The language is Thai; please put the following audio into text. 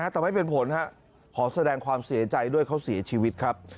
แต่ไม่เป็นผลขอแสดงความเสียใจด้วยเขาเสียชีวิตครับ